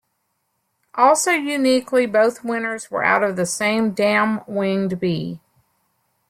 Also uniquely both winners were out of the same Dam Winged Bee.